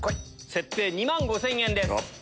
設定２万５０００円です。